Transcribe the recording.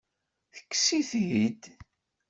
Tekkes-it-id?